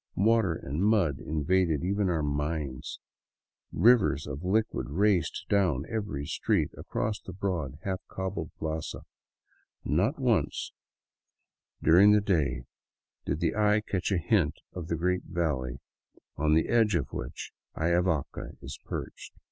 Water and mud invaded even our minds. Rivers of liquid mud raced down every street and across the broad, half cobbled plaza. Not once dur 221 VAGABONDING DOWN THE ANDES ing the day did the eye catch a hint of the great valley on the edge of which Ayavaca is perched.